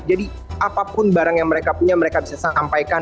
jadi apapun barang yang mereka punya mereka bisa sampaikan